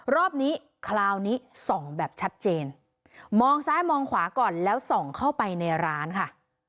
รอบนี้คราวนี้ส่องแบบชัดเจนมองซ้ายมองขวาก่อนแล้วส่องเข้าไปในร้านค่ะ